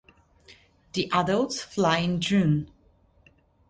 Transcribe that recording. The adults fly in June.